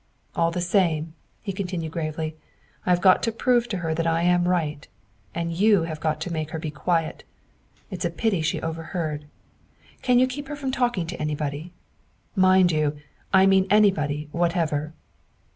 "All the same," he continued gravely, " I have got to prove to her that I am right, and you have got to make her be quiet. It's a pity she overheard. Can you keep her from talking to anybody mind you, I mean anybody whatever?"